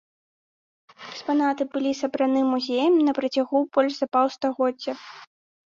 Экспанаты былі сабраны музеем на працягу больш за паўстагоддзя.